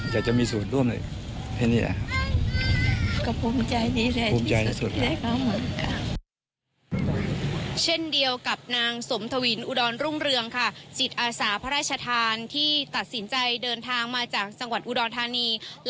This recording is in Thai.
อยากจะมีสูทรรวมอื่นแม่งนี้